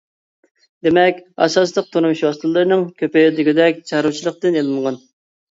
دېمەك، ئاساسلىق تۇرمۇش ۋاسىتىلىرىنىڭ كۆپى دېگۈدەك چارۋىچىلىقتىن ئېلىنغان.